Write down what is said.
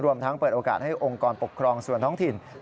ทั้งเปิดโอกาสให้องค์กรปกครองส่วนท้องถิ่น